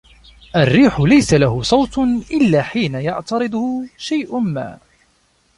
الريح ليس له صوت إلا حين يعترضه شيء ما.